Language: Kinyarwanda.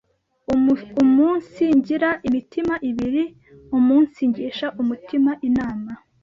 umunsigira imitima ibiri umunsigisha umutima inama